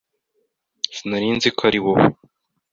Sinari nzi ko ariwowe.